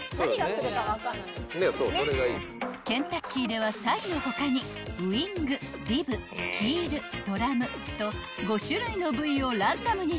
［ケンタッキーではサイの他にウイングリブキールドラムと５種類の部位をランダムに提供］